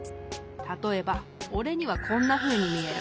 たとえばおれにはこんなふうにみえる。